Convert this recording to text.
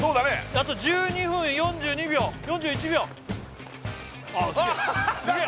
あと１２分４２秒４１秒あっすげー！